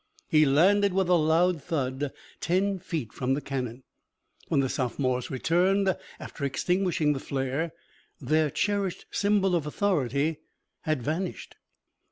He landed with a loud thud ten feet from the cannon. When the sophomores returned, after extinguishing the flare, their cherished symbol of authority had vanished.